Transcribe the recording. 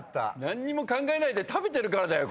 何も考えないで食べてるからだよ。